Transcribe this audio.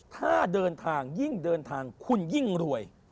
ถ้าเดินทางยิ่งเดินทางคุณยิ่งรวย